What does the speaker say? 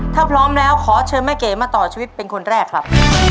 ถ้าพร้อมแล้วขอเชิญแม่เก๋มาต่อชีวิตเป็นคนแรกครับ